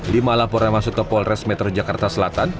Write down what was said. lima laporan masuk ke polres metro jakarta selatan